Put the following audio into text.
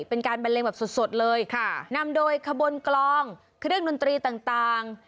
เป็นการบันเลงแบบสดสดเลยค่ะนำโดยขบวนกลองเครื่องดนตรีต่าง